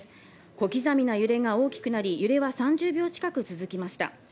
小刻みな揺れが大きくなり、揺れは３０秒近く続きました。